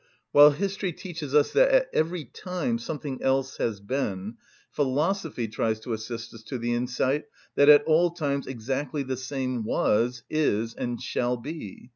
While history teaches us that at every time something else has been, philosophy tries to assist us to the insight that at all times exactly the same was, is, and shall be.